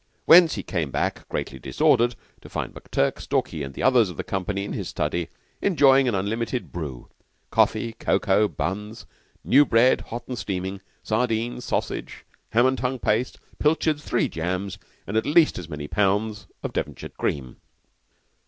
Thence he came back, greatly disordered, to find McTurk, Stalky, and the others of the company, in his study enjoying an unlimited "brew" coffee, cocoa, buns, new bread hot and steaming, sardine, sausage, ham and tongue paste, pilchards, three jams, and at least as many pounds of Devonshire cream.